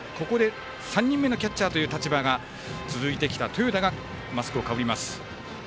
３人目のキャッチャーで続いてきた豊田がマスクをかぶります。